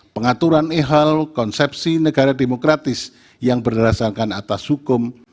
pengaturan ehal konsepsi negara demokratis yang berdasarkan atas hukum